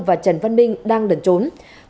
và trần văn minh đang đẩn trốn